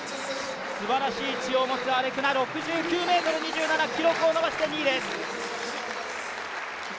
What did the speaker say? すばらしい血を持つ、アレクナ６９ｍ２７、記録を伸ばして２位です。